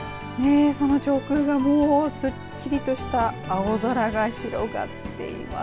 上空がもうすっきりとした青空が広がっています。